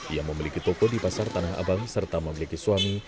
ia memiliki toko di pasar tanah abang serta memiliki suami